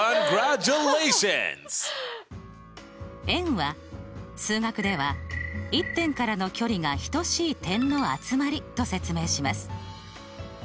円は数学では１点からの距離が等しい点の集まりと説明します。